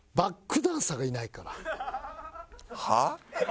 はあ？